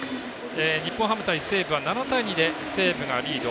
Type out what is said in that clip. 日本ハム対西武は７対２で西武がリード。